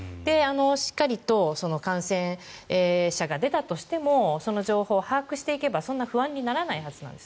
しっかりと感染者が出たとしてもその情報を把握していけばそんな不安にならないはずなんです。